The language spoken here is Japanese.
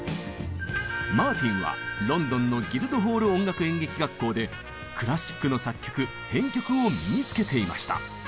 マーティンはロンドンのギルドホール音楽演劇学校でクラシックの作曲編曲を身につけていました。